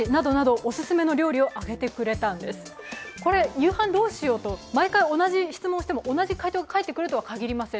夕飯どうしようと毎回同じ質問をしても、同じ回答が返ってくるとは限りません。